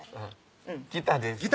ギターです